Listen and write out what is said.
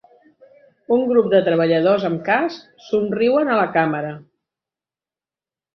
Un grup de treballadors amb casc somriuen a la càmera.